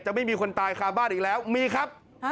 ไม่มีคนตายคาบ้านอีกแล้วมีครับ